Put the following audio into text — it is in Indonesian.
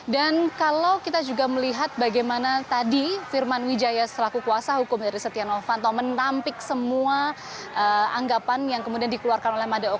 dan kalau kita juga melihat bagaimana tadi firman wijaya setelah kuasa hukum dari setia novanto menampik semua anggapan yang kemudian dikeluarkan oleh made okamasagung kemarin